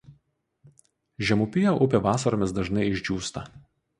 Žemupyje upė vasaromis dažnai išdžiūsta.